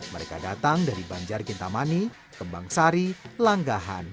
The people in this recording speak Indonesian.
mereka datang dari banjar kintamani kembangsari langgahan